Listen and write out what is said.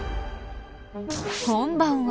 こんばんは。